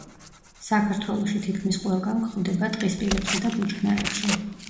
საქართველოში თითქმის ყველგან გვხვდება ტყისპირებსა და ბუჩქნარებში.